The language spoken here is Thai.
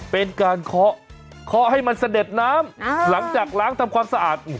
เป็นการเคาะเคาะให้มันเสด็จน้ำหลังจากล้างทำความสะอาด